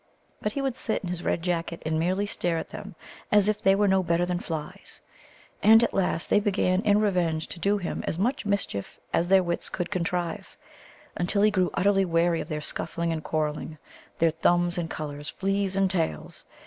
But he would sit in his red jacket and merely stare at them as if they were no better than flies. And at last they began in revenge to do him as much mischief as their wits could contrive, until he grew utterly weary of their scuffling and quarrelling, their thumbs and colours, fleas and tails.